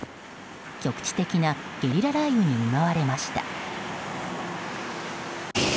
局地的なゲリラ雷雨に見舞われました。